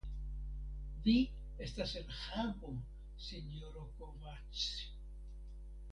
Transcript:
Vi estas en Hago, sinjoro Kovacs.